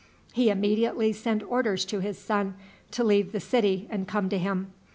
He immediately sent orders to his son to leave the city and come to him.